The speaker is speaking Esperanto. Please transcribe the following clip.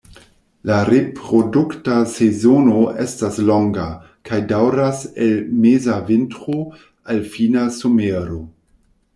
La reprodukta sezono estas longa, kaj daŭras el meza vintro al fina somero.